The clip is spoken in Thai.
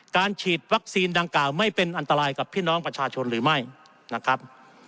ฉีดวัคซีนดังกล่าวไม่เป็นอันตรายกับพี่น้องประชาชนหรือไม่นะครับ